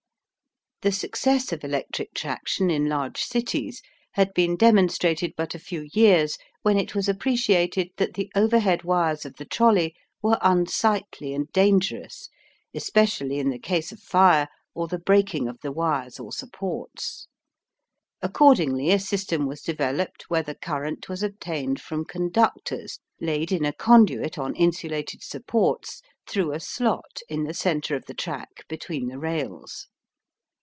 The success of electric traction in large cities had been demonstrated but a few years when it was appreciated that the overhead wires of the trolley were unsightly and dangerous, especially in the case of fire or the breaking of the wires or supports. Accordingly a system was developed where the current was obtained from conductors laid in a conduit on insulated supports through a slot in the centre of the track between the rails.